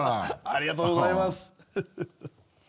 ありがとうございます。